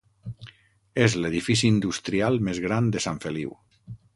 És l'edifici industrial més gran de Sant Feliu.